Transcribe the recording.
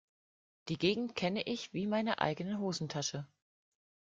Die Gegend kenne ich wie meine eigene Hosentasche.